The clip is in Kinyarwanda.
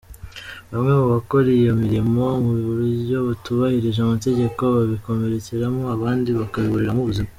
Bamwe mu bakora iyo mirimo mu buryo butubahirije amategeko babikomerekeramo, abandi bakabiburiramo ubuzima.